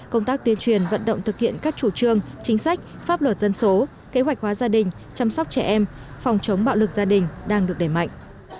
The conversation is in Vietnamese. công tác tuyên truyền vận động thực hiện các chủ trương chính sách pháp luật dân số kế hoạch hóa gia đình chăm sóc trẻ em phòng chống bạo lực gia đình đang được đẩy mạnh